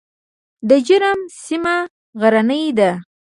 د جرم سیمه غرنۍ ده